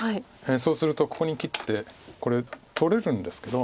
そうするとここに切ってこれ取れるんですけど。